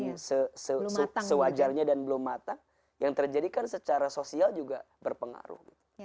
se se se se se se wajarnya dan belum mata yang terjadikan secara sosial juga berpengaruh